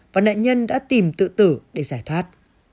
và nạn nhân đã tìm tự tử để giải thoát